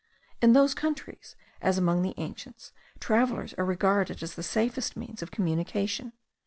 In those countries, as among the ancients, travellers are regarded as the safest means of communication.